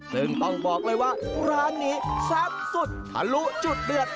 ซึ่งต้องบอกเลยว่าร้านนี้แซ่บสุดทะลุจุดเดือด